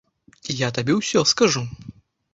Я табе ўсё скажу.